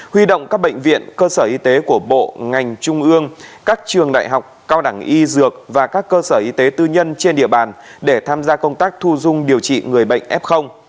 huy động các bệnh viện cơ sở y tế của bộ ngành trung ương các trường đại học cao đẳng y dược và các cơ sở y tế tư nhân trên địa bàn để tham gia công tác thu dung điều trị người bệnh f